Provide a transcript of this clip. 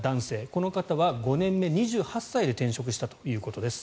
この方は５年目、２８歳で転職したということです。